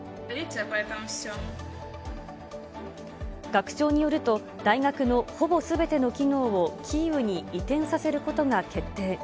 学長によると、大学のほぼすべての機能をキーウに移転させることが決定。